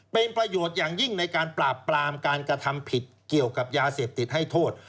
เป็นประโยชน์อย่างยิ่งในการปราบปรามการกระทำผิดเกี่ยวกับยาเสพติดให้โทษ